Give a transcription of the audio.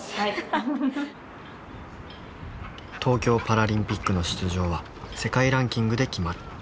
東京パラリンピックの出場は世界ランキングで決まる。